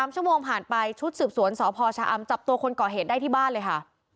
๓ชั่วโมงผ่านไปชุดสืบสวนสพชะอำจับตัวคนก่อเหตุได้ที่บ้านเลยค่ะ